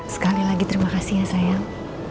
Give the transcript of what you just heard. sekali lagi terima kasih ya sayang